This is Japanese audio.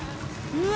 うわ！